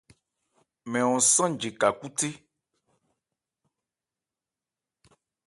Mɛn hɔn sánje ka khúthé.